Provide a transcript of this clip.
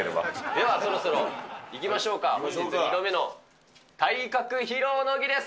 じゃあそろそろいきましょうか、本日２度目の体格披露の儀です。